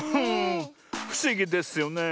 ふしぎですよね。